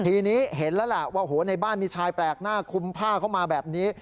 ทีนี้เห็นแล้วล่ะว่าโอ้โหในบ้านมีชายแปลกหน้าคุมผ้าเข้ามาแบบนี้